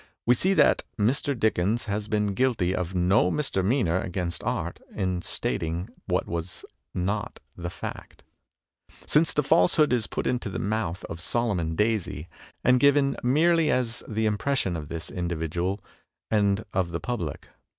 we see that Mr. Dickens has been guilty of no misdemeanor against art in stating what was not the fact; since the falsehood is put into the mouth of Solomon Daisy, and given merely as the impression of this individual and of the public.